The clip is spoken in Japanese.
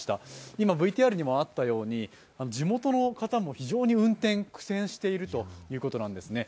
今ＶＴＲにもあったように地元の方も非常に運転、苦戦しているということなんですね。